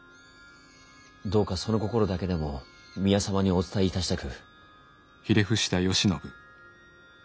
どうかその心だけでも宮様にお伝えいたしたく。